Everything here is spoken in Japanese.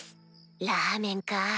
ラーメンか。